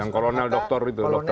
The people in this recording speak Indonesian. yang kolonel doktor itu